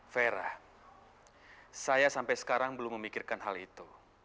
vera saya sampai sekarang belum memikirkan hal itu